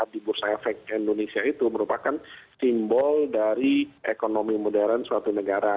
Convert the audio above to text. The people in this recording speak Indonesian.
di bursa efek indonesia itu merupakan simbol dari ekonomi modern suatu negara